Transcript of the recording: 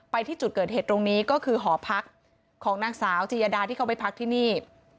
ที่จุดเกิดเหตุตรงนี้ก็คือหอพักของนางสาวจียดาที่เขาไปพักที่นี่